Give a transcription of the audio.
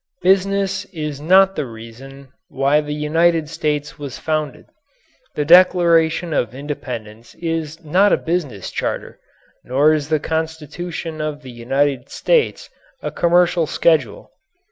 Business is not the reason why the United States was founded. The Declaration of Independence is not a business charter, nor is the Constitution of the United States a commercial schedule.